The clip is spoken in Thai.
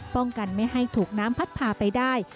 ป้องกันไม่ให้ถูกน้ำพัดพาไปได้